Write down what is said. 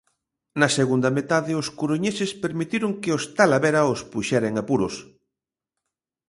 Na segunda metade, os coruñeses permitiron que o Talavera os puxera en apuros.